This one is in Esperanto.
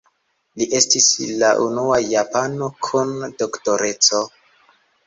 Li estis la unua japano kun Doktoreco.